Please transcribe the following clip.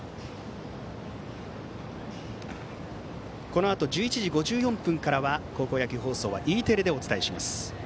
このあと１１時５４分からは高校野球放送はＥテレでお伝えします。